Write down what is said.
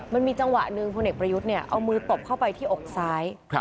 มันมีจังหวะหนึ่งพลเอกประยุทธ์เนี่ยเอามือตบเข้าไปที่อกซ้าย